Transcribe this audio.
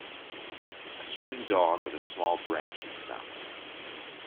A swimming dog with a small branch in its mouth.